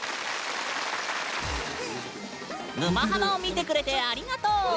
「沼ハマ」を見てくれてありがとう！